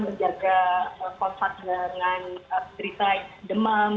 menjaga kontak dengan cerita demam